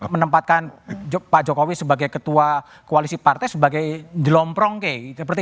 menempatkan pak jokowi sebagai ketua koalisi partai sebagai jelom prongke seperti